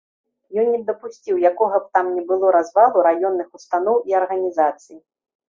Ён не дапусціў якога б там ні было развалу раённых устаноў і арганізацый.